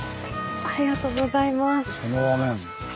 ありがとうございます。